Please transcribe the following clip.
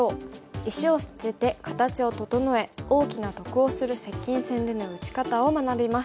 石を捨てて形を整え大きな得をする接近戦での打ち方を学びます。